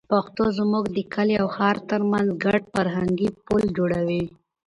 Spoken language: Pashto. پښتو زموږ د کلي او ښار تر منځ ګډ فرهنګي پُل جوړوي.